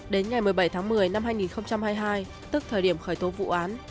đến ngày một mươi bảy tháng một mươi năm hai nghìn hai mươi hai tức thời điểm khởi tố vụ án